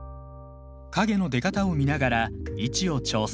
影の出方を見ながら位置を調整。